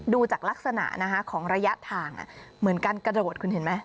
ดูจากลักษณะของระยะทางเหมือนการกระโดดคุณเห็นไหม